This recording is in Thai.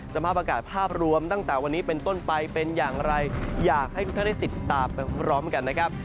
สภาพอากาศภาพรวมตั้งแต่วันนี้เป็นต้นไปเป็นอย่างไรอยากให้ทุกท่านได้ติดตามไปพร้อมกันนะครับ